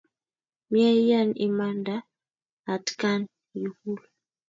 Mye ian imanda atkan yukul